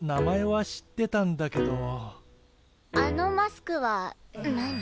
あのマスクは何？